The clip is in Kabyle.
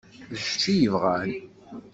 D kečč i yebɣan.